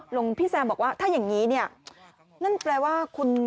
หลวงพี่แซมบอกว่าถ้าอย่างนี้เนี่ยนั่นแปลว่าคุณ